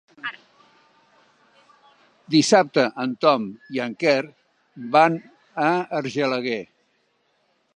Dissabte en Tom i en Quer van a Argelaguer.